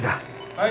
はい！